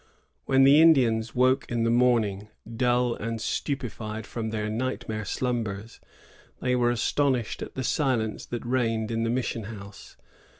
When the Indians woke in the morning, dull and stupefied from their nightmare slumbers, they were astonished at the silence that reigned in the mission house.